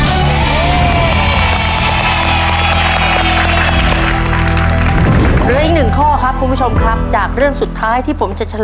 อีกหนึ่งข้อครับคุณผู้ชมครับจากเรื่องสุดท้ายที่ผมจะเฉลยต่อไปนี้